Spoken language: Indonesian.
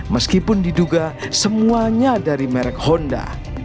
meskipun diduga semuanya dari merek honda